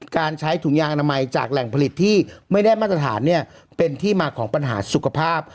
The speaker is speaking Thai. การใช้ถุงยางอนามัยจากแหล่งผลิตที่ไม่ได้มาตรฐานเนี่ยเป็นที่มาของปัญหาสุขภาพ